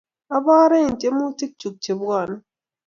Abori eng' tyemutik chuk chepwone.